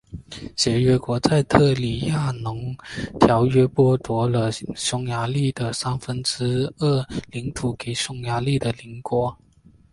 协约国在特里亚农条约剥夺了匈牙利的三分之二领土给匈牙利的邻国。